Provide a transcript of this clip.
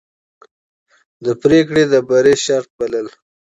ده پرېکړه د بری شرط بلله.